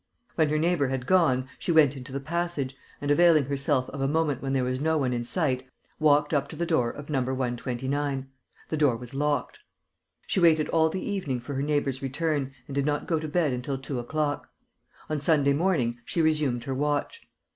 When her neighbour had gone, she went into the passage and, availing herself of a moment when there was no one in sight, walked up to the door of No. 129. The door was locked. She waited all the evening for her neighbour's return and did not go to bed until two o'clock. On Sunday morning, she resumed her watch.